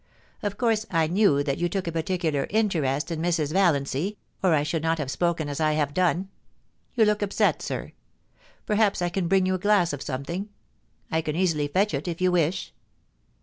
Of course I knew that you took a particular interest in Mrs. Valiancy, or I should not have spoken as I have done. You look upset, sir. Perhaps I can bring you a glass of something. I can easily fetch it, if you wish.'